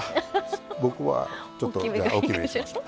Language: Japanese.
僕はちょっと大きめにしましょう。